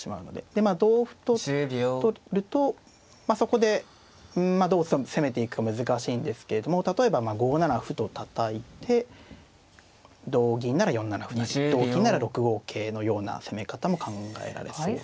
でまあ同歩と取るとそこでどう攻めていくか難しいんですけども例えば５七歩とたたいて同銀なら４七歩成同金なら６五桂のような攻め方も考えられますね。